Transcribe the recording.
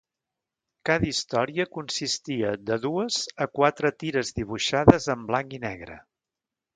Cada història consistia de dues a quatre tires dibuixades en blanc i negre.